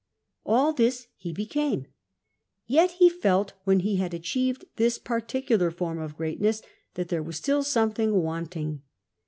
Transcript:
All this he became : yet he felt, when he had achieved this particular form of greatness, that there was still some thing wanting.